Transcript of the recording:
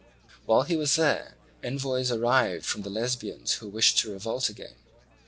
While he was there, envoys arrived from the Lesbians who wished to revolt again.